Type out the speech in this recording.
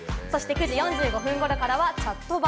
９時４５分頃からはチャットバ。